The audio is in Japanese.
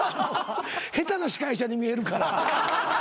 下手な司会者に見えるから。